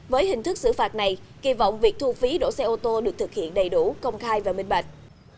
với hình thức xử phạt này kỳ vọng việc thu phí đổ xe ô tô được thực hiện đầy đủ công khai và minh bạch